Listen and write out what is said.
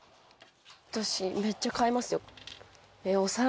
めっちゃ買いますよ。